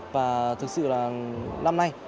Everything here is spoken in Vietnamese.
và thực sự là năm nay